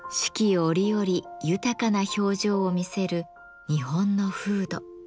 折々豊かな表情を見せる日本の風土。